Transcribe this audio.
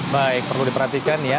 baik perlu diperhatikan ya